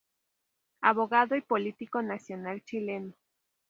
Abogado y político nacional chileno.